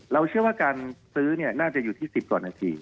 เชื่อว่าการซื้อน่าจะอยู่ที่๑๐กว่านาที